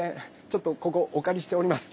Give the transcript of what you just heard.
ちょっとここおかりしております。